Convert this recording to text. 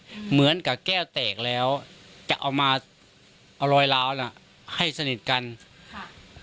เหมือนกับแก้วแตกแล้วจะเอามาเอารอยล้าวน่ะให้สนิทกันค่ะ